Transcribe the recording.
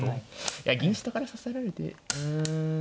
いや銀下から支えられてうん。